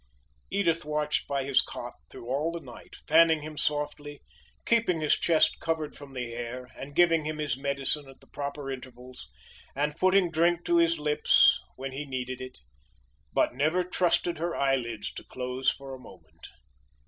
Edith watched by his cot through all the night, fanning him softly, keeping his chest covered from the air, giving him his medicine at the proper intervals, and putting drink to his lips when he needed it. But never trusted her eyelids to close for a moment.